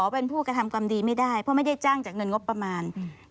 เป็นผู้กระทำความดีไม่ได้เพราะไม่ได้จ้างจากเงินงบประมาณ